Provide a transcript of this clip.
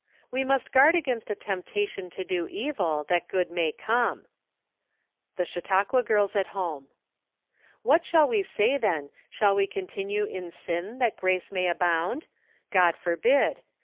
We must guard against a temptation to do evil, that good may come. The Chautauqua Girls at Home. " What shall we say then , Shall we continue in sin , that grace may abound ? God forbid.